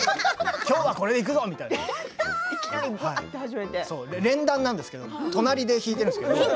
きょうはこれでいくぞって連弾なんですけど隣で弾いてるんです。